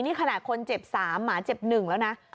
นี่ขนาดคนเจ็บ๓หมาเจ็บ๑แล้วนะ